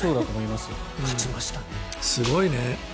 すごいね。